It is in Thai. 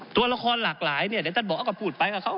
ตัวละครหลากหลายเนี่ยท่านบอกเอาก็พูดไปกับเขา